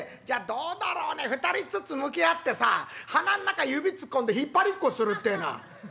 「じゃどうだろうね２人っつつ向き合ってさ鼻ん中指突っ込んで引っ張りっこするってえのは」。